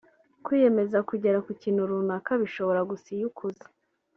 kwiyemeza kugeraku kintu runaka bishoboka gusa iyo ukuze